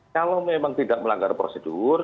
kalau memang tidak melanggar prosedur